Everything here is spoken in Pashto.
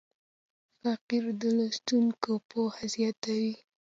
فقره د لوستونکي پوهه زیاتوي.